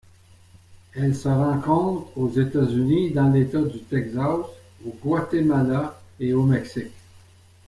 Elle se rencontre aux États-Unis dans l'État du Texas, au Guatemala et au Mexique.